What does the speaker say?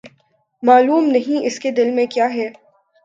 معلوم نہیں، اس کے دل میں کیاہے؟